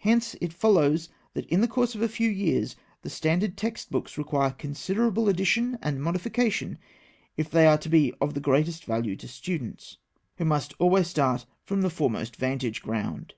Hence it follows that, in the course of a few years, the standard text books require considerable addition and modification if they are to be of the greatest value to students, who must always start from the foremost vantage ground.